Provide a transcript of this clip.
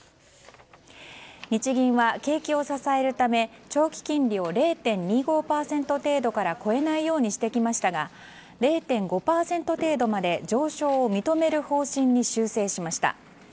日銀は景気を支えるため長期金利を０．２５％から超えないようにしてきましたが０．５％程度まで上昇を認める方針に修正しました。